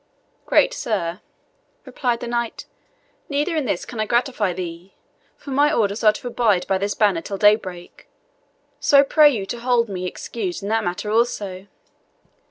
"Great sir," replied the knight, "neither in this can I gratify thee, for my orders are to abide by this banner till daybreak so I pray you to hold me excused in that matter also."